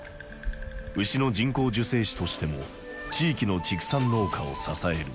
牛の人工授精師としても地域の畜産農家を支える。